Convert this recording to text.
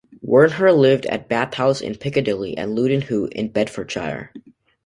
Wernher lived at Bath House in Piccadilly and Luton Hoo in Bedfordshire.